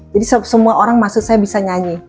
jadi semua orang maksud saya bisa nyanyi